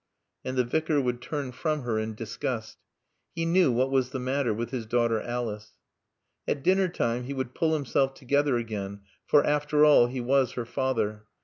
And the Vicar would turn from her in disgust. He knew what was the matter with his daughter Alice. At dinner time he would pull himself together again, for, after all, he was her father.